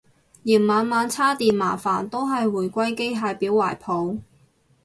嫌晚晚叉電麻煩都係回歸機械錶懷抱